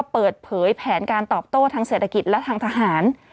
เปิดเผยแผนการตอบโต้ทางเศรษฐกิจและทางทหาร